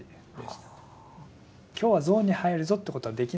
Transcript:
今日はゾーンに入るぞってことはできないですね。